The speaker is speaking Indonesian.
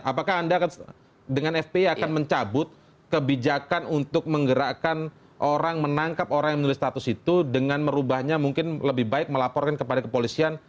apakah anda dengan fpi akan mencabut kebijakan untuk menggerakkan orang menangkap orang yang menulis status itu dengan merubahnya mungkin lebih baik melaporkan kepada kepolisian